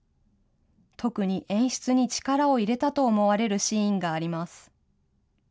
特に演出に力を入れたと思われるシーンがあります。